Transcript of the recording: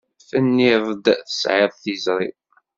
Tenniḍ-d tesεiḍ tiẓri.